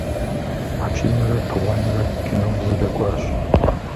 Хьэчимрэ Тыгъуэнрэ кином зэдэкӏуащ.